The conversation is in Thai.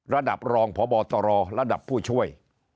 ระดับรองพบตรระดับผู้ช่วย